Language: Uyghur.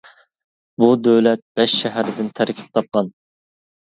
بۇ دۆلەت بەش شەھەردىن تەركىب تاپقان.